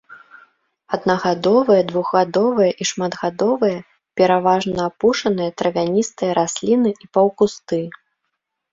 Аднагадовыя, двухгадовыя і шматгадовыя, пераважна апушаныя травяністыя расліны і паўкусты.